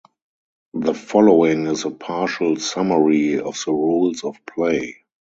The following is a partial summary of the rules of play.